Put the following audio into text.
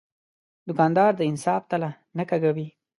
دوکاندار د انصاف تله نه کږوي.